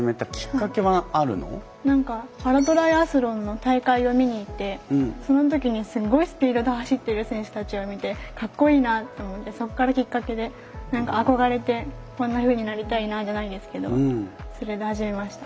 何かパラトライアスロンの大会を見に行ってその時にすんごいスピードで走ってる選手たちを見てかっこいいなと思ってそこからきっかけで憧れてこんなふうになりたいなじゃないですけどそれで始めました。